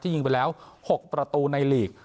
ยิงไปแล้ว๖ประตูในลีก